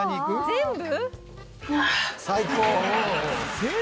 「全部？」